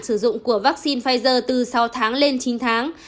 sử dụng của vaccine pfizer từ sáu tháng lên chín tháng